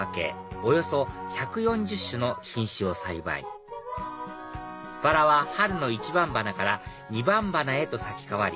およそ１４０種の品種を栽培バラは春の１番花から２番花へと咲き変わり